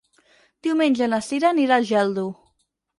Diumenge na Sira anirà a Geldo.